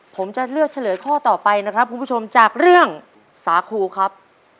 ผมจะเลือกเฉลยข้อต่อไปนะครับคุณผู้ชมจากเรื่องสาคูครับ